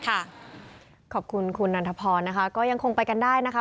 ขอบคุณคุณนันทพรนะคะก็ยังคงไปกันได้นะคะ